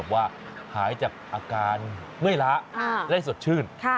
ว่าหายจากอาการเมื่อยล้าได้สดชื่น